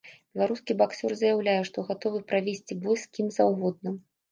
Беларускі баксёр заяўляе, што гатовы правесці бой з кім заўгодна.